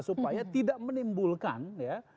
supaya tidak menimbulkan ya